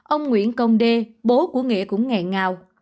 ông nguyễn công đê bố của nghĩa cũng nghẹn ngào